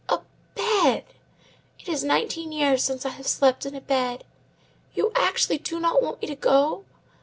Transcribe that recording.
a bed! It is nineteen years since I have slept in a bed! You actually do not want me to go!